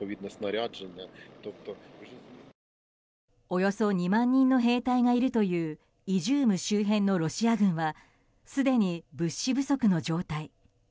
およそ２万人の兵隊がいるというイジューム周辺のロシア軍はすでに物資不足の状態。